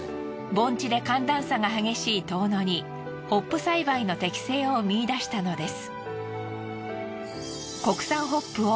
盆地で寒暖差が激しい遠野にホップ栽培の適性を見いだしたのです。